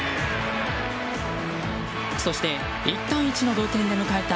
そして１対１の同点で迎えた